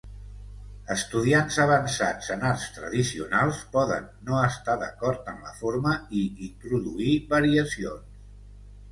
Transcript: Estudiants avançats en Arts Tradicionals poden no estar d'acord en la forma i introduir variacions.